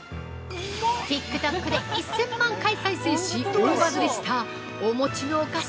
ＴｉｋＴｏｋで１０００万回再生し大バズりしたお餅のお菓子